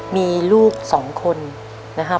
มีลูก๒คนนะครับ